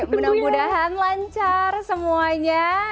mudah mudahan lancar semuanya